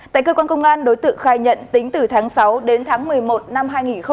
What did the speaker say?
tại cơ quan công an đối tượng khai nhận tính từ tháng sáu đến tháng một mươi một năm hai nghìn